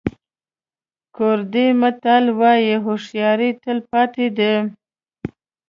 کوردي متل وایي هوښیاري تل پاتې ده.